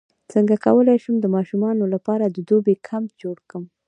څنګه کولی شم د ماشومانو لپاره د دوبي کمپ جوړ کړم